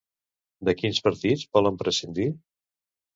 De quins partits volen prescindir?